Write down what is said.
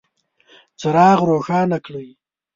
څراغ روښانه کړئ